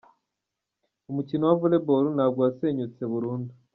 Umukino wa Volleyball ntabwo wasenyutse burundu.